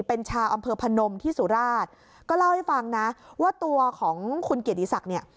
เป็นชาวอำเภอพนมที่สุราชก็เล่าให้ฟังนะว่าตัวของคุณเกียรติศักดิ์เนี่ย